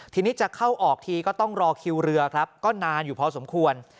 ทีนี้จะเข้าออกทีก็ต้องรอคิวเรือครับก็นานอยู่พอสมควร